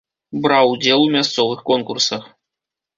Браў удзел у мясцовых конкурсах.